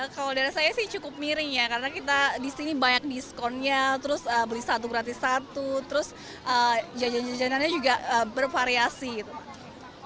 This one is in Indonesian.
kalau dari saya sih cukup miring ya karena kita di sini banyak diskonnya terus beli satu gratis satu terus jajanan jajanannya juga bervariasi gitu pak